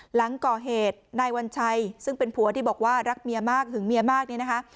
หลังก่อเหตุนายวัญชัยซึ่งเป็นผัวที่บอกว่ารักเมียมากหึงเมียมากเนี่ยนะคะ